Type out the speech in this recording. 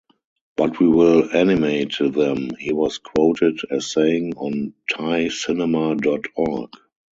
But we will animate them, he was quoted as saying on ThaiCinema dot org.